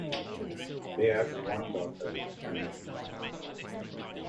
They have one daughter, Emma.